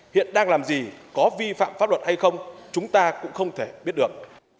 hiện đang làm gì có vi phạm pháp luật hay không chúng ta cũng không thể biết được